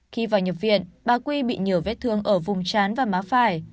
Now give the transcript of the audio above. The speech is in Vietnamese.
khi vào nhập viện bà quy bị nhiều vết thương ở vùng chán và má phải